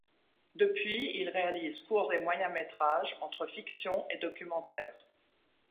Depuis il réalise courts et moyens métrages entre fiction et documentaire.